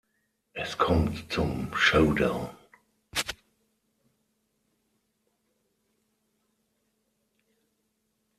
Es kommt zum Showdown.